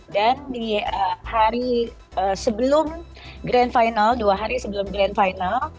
dan di hari sebelum grand final dua hari sebelum grand final